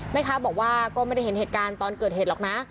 แม่ค้าบอกว่าก็ไม่ได้เห็นเหตุการณ์ตอนเกิดเหตุหรอกนะ